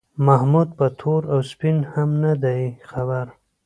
محمود په تور او سپین هم نه دی خبر.